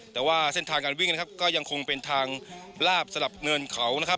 แต่ว่าเส้นทางการวิ่งก็ยังคงเป็นทางลาบสลับเนินเขา